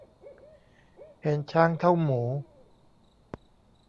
เห็นช้างเท่าหมู